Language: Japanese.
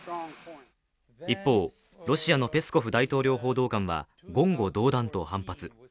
一方、ロシアのペスコフ大統領報道官は言語道断と反発。